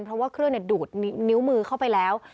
เพราะว่าเครื่องดูดนิ้วมือเข้าไปแล้ว